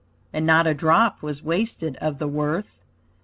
And not a drop was wasted of the worth!